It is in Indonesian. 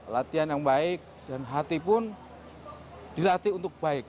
latihan yang baik dan hati pun dilatih untuk baik